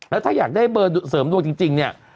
แล้วถ้าอยากได้เบอร์เสริมดวงจริงเนี่ย